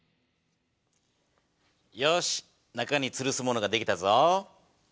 よし中につるすものが出来たぞ。